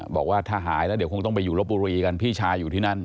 บอกว่าถ้าหายแล้วเดี๋ยวคงต้องไปอยู่ลบบุรีกันพี่ชายอยู่ที่นั่น